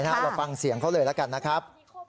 เราฟังเสียงเขาเลยแล้วกันนะครับ